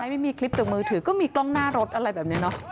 ไม่มีคลิปจากมือถือก็มีกล้องหน้ารถอะไรแบบนี้เนอะ